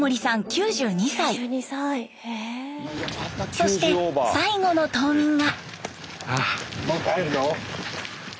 そして最後の島民が。